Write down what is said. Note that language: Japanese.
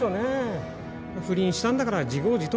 不倫したんだから自業自得か。